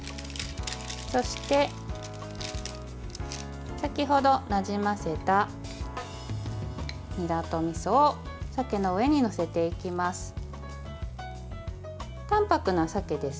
そして先ほどなじませた、にらとみそをさけの上に載せていきます。